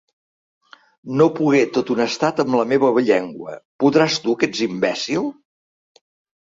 No pogué tot un estat amb la meua llengua, podràs tu que ets imbècil!